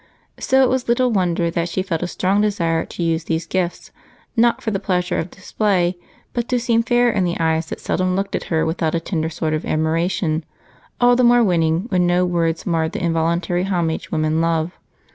So it was little wonder that she felt a strong desire to use these gifts, not for the pleasure of display, but to seem fair in the eyes that seldom looked at her without a tender sort of admiration, all the more winning when no words marred the involuntary homage women love.